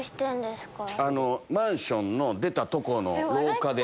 マンションの出たとこの廊下で。